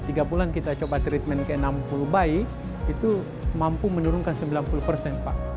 tiga bulan kita coba treatment ke enam puluh bayi itu mampu menurunkan sembilan puluh persen pak